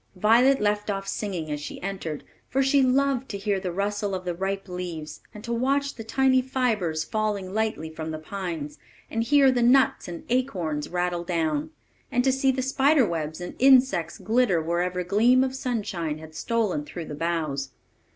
Violet left off singing as she entered it; for she loved to hear the rustle of the ripe leaves, and to watch the tiny fibres falling lightly from the pines, and hear the nuts and acorns rattle down, and to see the spider webs and insects glitter wherever a gleam of sunshine had stolen through the boughs.